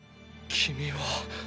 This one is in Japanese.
君は。